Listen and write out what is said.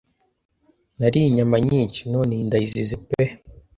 nariye inyama nyinshi none iyi ndayizize pe